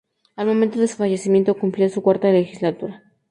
Al momento de se fallecimiento cumplía su cuarta legislatura.